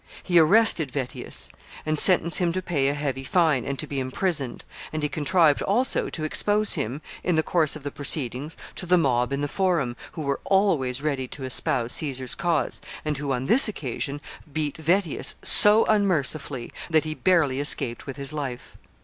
He arrested Vettius, and sentenced him to pay a heavy fine, and to be imprisoned; and he contrived also to expose him, in the course of the proceedings, to the mob in the Forum, who were always ready to espouse Caesar's cause, and who, on this occasion, beat Vettius so unmercifully, that he barely escaped with his life.